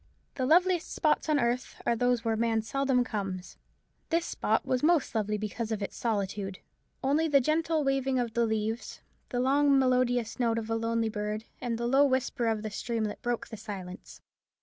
The loveliest spots on earth are those where man seldom comes. This spot was most lovely because of its solitude. Only the gentle waving of the leaves, the long melodious note of a lonely bird, and the low whisper of the streamlet, broke the silence.